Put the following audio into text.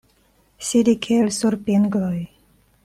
Sidi kiel sur pingloj.